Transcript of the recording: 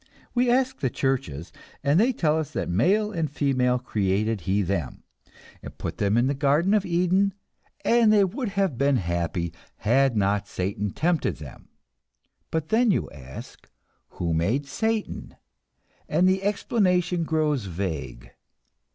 We ask the churches, and they tell us that male and female created He them, and put them in the Garden of Eden, and they would have been happy had not Satan tempted them. But then you ask, who made Satan, and the explanation grows vague.